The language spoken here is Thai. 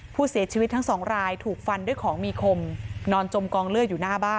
ผู้เสียชีวิตทั้งสองรายถูกฟันด้วยของมีคมนอนจมกองเลือดอยู่หน้าบ้าน